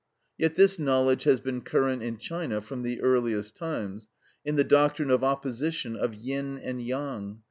Yet this knowledge has been current in China from the earliest times, in the doctrine of opposition of Yin and Yang.